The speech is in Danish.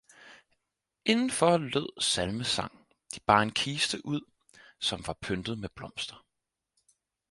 indenfor lød salmesang, de bar en kiste ud, som var pyntet med blomster.